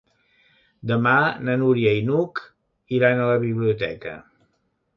Demà na Núria i n'Hug iran a la biblioteca.